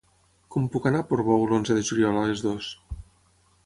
Com puc anar a Portbou l'onze de juliol a les dues?